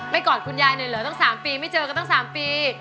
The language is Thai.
ไม่กอดคุณยายหน่อยเหรอตั้งสามปีไม่เจอก็ตั้งสามปี